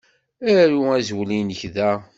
Aru azwel-inek da.